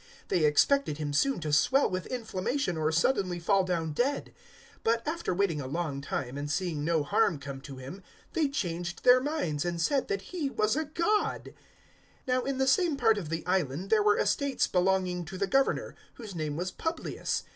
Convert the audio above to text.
028:006 They expected him soon to swell with inflammation or suddenly fall down dead; but, after waiting a long time and seeing no harm come to him, they changed their minds and said that he was a god. 028:007 Now in the same part of the island there were estates belonging to the Governor, whose name was Publius.